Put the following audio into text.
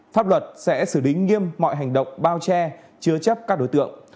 pháp luật sẽ xử lý nghiêm mọi hành động bao che chứa chấp các đối tượng